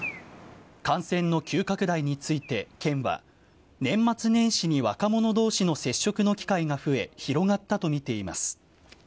感染の急拡大について県は、年末年始に若者どうしの接触の機会が増え、広がったと見ています。